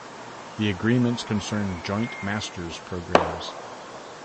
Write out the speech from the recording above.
The agreements concern joint Masters' programs.